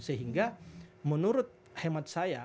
sehingga menurut hemat saya